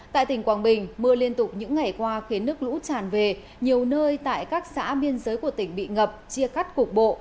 tại tỉnh quảng bình mưa liên tục những ngày qua khiến nước lũ tràn về nhiều nơi tại các xã biên giới của tỉnh bị ngập chia cắt cục bộ